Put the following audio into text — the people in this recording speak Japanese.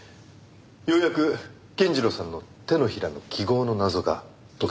ようやく健次郎さんの手のひらの記号の謎が解けたので。